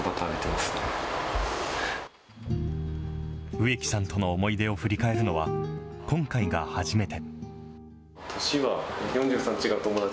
植木さんとの思い出を振り返るのは、今回が初めて。